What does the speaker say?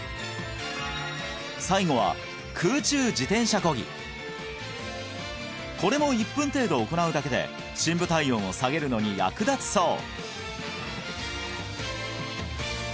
最後は空中自転車こぎこれも１分程度行うだけで深部体温を下げるのに役立つそう